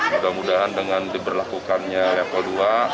mudah mudahan dengan diberlakukannya level dua